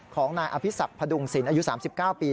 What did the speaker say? ของนายอภิษักพดุงศิลป์อายุ๓๙ปี